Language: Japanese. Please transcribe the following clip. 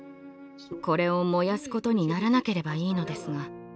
これを燃やすことにならなければいいのですが。